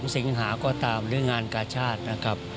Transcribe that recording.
สิงหาก็ตามหรืองานกาชาตินะครับ